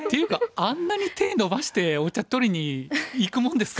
あんなに手伸ばしてお茶取りにいくもんですか。